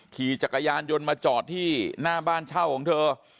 ขี่จักรยานยนต์มาจอดที่หน้าบ้านเช่าของเธอ